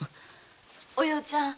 お葉ちゃん